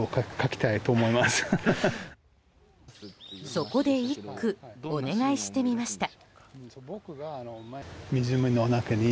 そこで一句お願いしてみました。